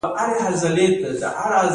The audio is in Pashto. خبر راغے د غم منشي صاحب وفات شو